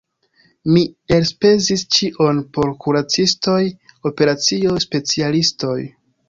Mi elspezis ĉion por kuracistoj, operacioj, specialistoj.